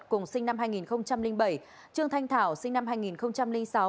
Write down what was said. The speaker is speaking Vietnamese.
cùng sinh năm hai nghìn bảy trương thanh thảo sinh năm hai nghìn sáu